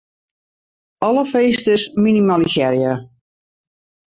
Alle finsters minimalisearje.